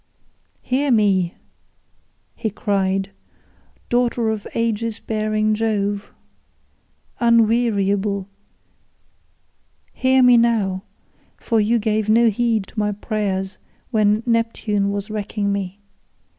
"Hear me," he cried, "daughter of Aegis bearing Jove, unweariable, hear me now, for you gave no heed to my prayers when Neptune was wrecking me.